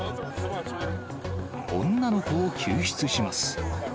女の子を救出します。